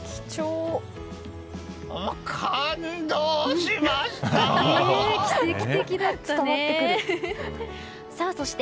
感動しました！